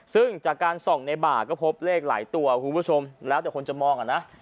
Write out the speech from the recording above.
ซึ่งจากการส่องในบ่าก็พบเลขหลายตัวคุณผู้ชมแล้วแต่คนจะมองอ่ะนะ